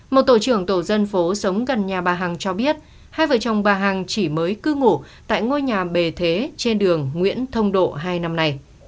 một tổ trưởng tổ dân phố sống gần nhà bà hằng cho biết hai vợ chồng bà hằng chỉ mới cư ngủ tại ngôi nhà bề thế trên đường nguyễn thông độ hai năm nay